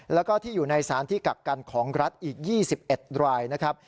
แล้วก็ที่อยู่ในสารที่กักกันของรัฐอีก๒๑รายนะครับ